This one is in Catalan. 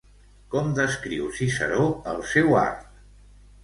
Com descriu Ciceró el seu art?